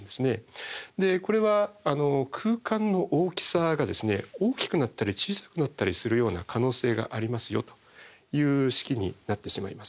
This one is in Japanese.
これは空間の大きさが大きくなったり小さくなったりするような可能性がありますよという式になってしまいます。